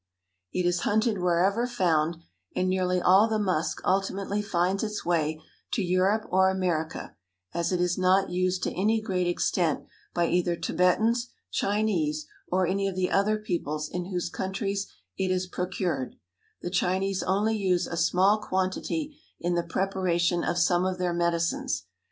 It is hunted wherever found, and nearly all the musk ultimately finds its way to Europe or America, as it is not used to any great extent by either Tibetans, Chinese or any of the other peoples in whose countries it is procured; the Chinese only use a small quantity in the preparation of some of their medicines.